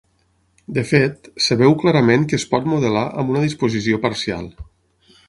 De fet, es veu clarament que es pot modelar amb una disposició parcial.